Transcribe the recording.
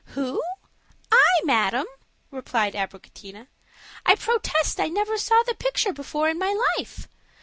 "Who! I, madam?" replied Abricotina. "I protest I never saw the picture before in my life.